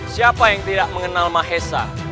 siapa yang tidak mengenal mahesa